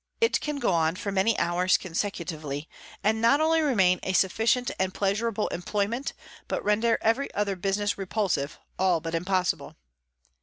It can go on for many hours consecutively, and not only remain a sufficient and pleasurable employment, but render every other business repulsive, all but impossible.